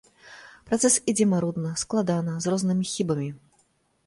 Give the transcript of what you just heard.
Працэс ідзе марудна, складана, з рознымі хібамі.